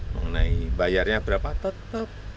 mengenai bayarnya berapa tetap